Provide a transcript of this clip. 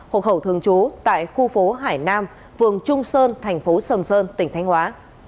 hộ khẩu thường chố tại khu phố hải nam vườn trung sơn thành phố sầm sơn tỉnh thanh hóa